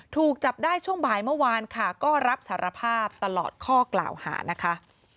ถูกจับได้ช่วงบ่ายเมื่อวานค่ะก็รับสารภาพตลอดข้อกล่าวหานะคะ